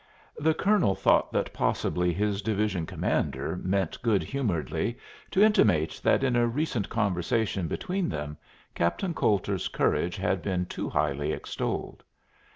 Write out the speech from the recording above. The colonel thought that possibly his division commander meant good humoredly to intimate that in a recent conversation between them Captain Coulter's courage had been too highly extolled.